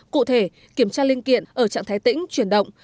cụ thể kiểm tra liên kiện ở trạng thái tỉnh chuyển động